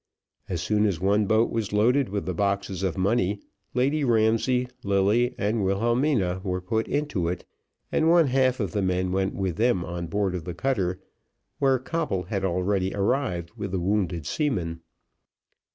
As soon as one boat was loaded with the boxes of money, Lady Ramsay, Lilly, and Wilhelmina were put in it, and one half of the men went with them on board of the cutter where Coble had already arrived with the wounded seamen.